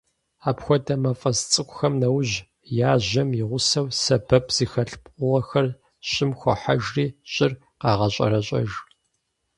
Апхуэдэ мафӏэс цӏыкӏухэм нэужь, яжьэм и гъусэу, сэбэп зыхэлъ пкъыгъуэхэр щӏым хохьэжри, щӏыр къагъэщӏэрэщӏэж.